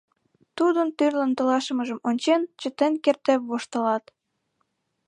Тудын тӱрлын толашымыжым ончен, чытен кертде воштылат.